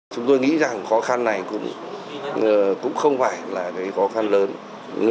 chúng tôi nghĩ rằng khó khăn này cũng không phải là khó khăn lớn